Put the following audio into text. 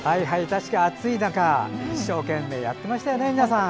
確か、暑い中一生懸命やっていましたよね、皆さん。